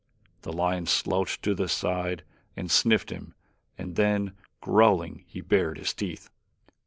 The lion slouched to his side and sniffed him and then, growling, he bared his teeth.